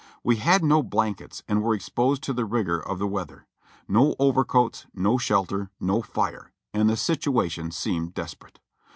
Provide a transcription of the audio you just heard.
We had no blankets and were exposed to the rigor of the weather; no overcoats, no shelter, no fire, and the situation seemed desperate.